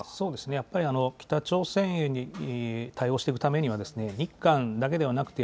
やっぱり北朝鮮に対応していくためには、日韓だけではなくて、